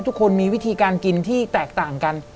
ทุกคนมีวิธีการกินที่แตกต่างกัน